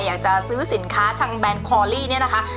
อยากจะซื้อสินค้าทางแบรนดคอลลี่เนี่ยนะคะ